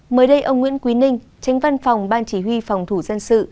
mới đây ông nguyễn quý ninh tránh văn phòng ban chỉ huy phòng thủ dân sự